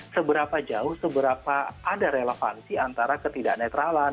seberapa jauh seberapa ada relevansi antara ketidaknetralan